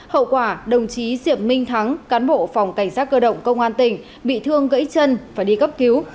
hậu quả đồng chí diệp minh thắng cán bộ phòng cảnh sát cơ động công an tỉnh bị thương gãy chân và đi cấp cứu